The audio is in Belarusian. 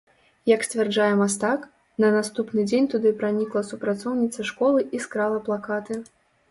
Як сцвярджае мастак, на наступны дзень туды пранікла супрацоўніца школы і скрала плакаты.